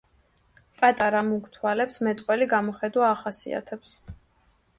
პატარა, მუქ თვალებს მეტყველი გამოხედვა ახასიათებს.